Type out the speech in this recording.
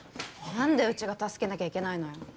何でうちが助けなきゃいけないのよ